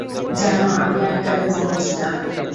জানো, আমিও এককালে যুবক ছিলাম।